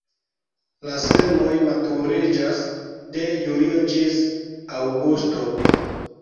La semoj maturiĝas de julio ĝis aŭgusto.